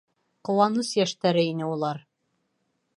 Ҡыуаныс йәштәре ине улар.